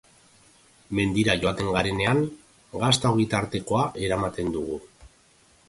Mendira joaten garenean gazta-ogitartekoa eramaten dugu.